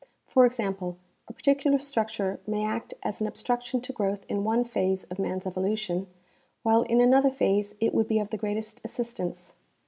For example, a particu lar structure may act as an obstruction to growth in one phase of man's evolution while in another phase it would be of the greatest assistance.